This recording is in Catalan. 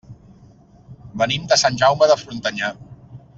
Venim de Sant Jaume de Frontanyà.